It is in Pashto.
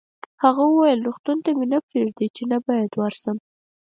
هغه وویل: روغتون ته مې نه پرېږدي، چې نه باید ورشم.